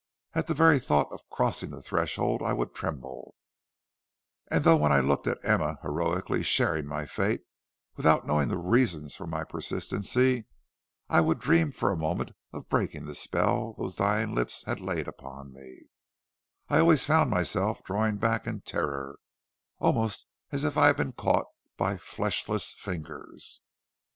At the very thought of crossing the threshold I would tremble; and though when I looked at Emma heroically sharing my fate without knowing the reasons for my persistency, I would dream for a moment of breaking the spell those dying lips had laid upon me, I always found myself drawing back in terror, almost as if I had been caught by fleshless fingers.